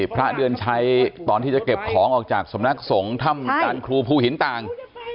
พระเดือนชัยตอนที่จะเก็บของออกจากสำนักสงฆ์ถ้ำจานครูภูหินต่าง